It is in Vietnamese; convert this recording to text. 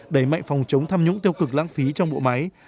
đẩy mạnh phòng chống tham nhũng tiêu cực lãng phí trong bộ máy